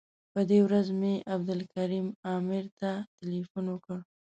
په دې ورځ مې عبدالکریم عامر ته تیلفون وکړ.